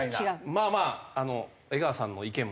まあまあ江川さんの意見もあるので。